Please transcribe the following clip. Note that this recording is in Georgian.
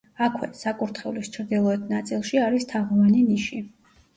აქვე, საკურთხევლის ჩრდილოეთ ნაწილში, არის თაღოვანი ნიში.